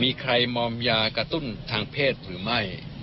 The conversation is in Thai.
มีใครมอมยากระตุ้นทางเพศหรือไม่